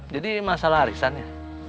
jadi masalah arisan ya